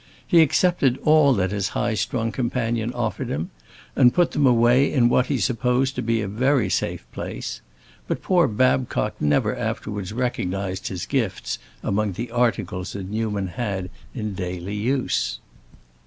He accepted all that his high strung companion offered him, and put them away in what he supposed to be a very safe place; but poor Babcock never afterwards recognized his gifts among the articles that Newman had in daily use.